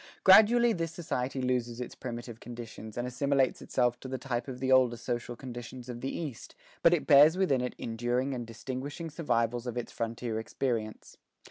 Gradually this society loses its primitive conditions, and assimilates itself to the type of the older social conditions of the East; but it bears within it enduring and distinguishing survivals of its frontier experience.